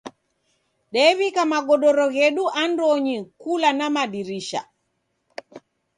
Dew'ika magodoro ghedu andonyi kula na madirisha.